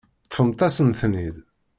Ṭṭfemt-asen-ten-id.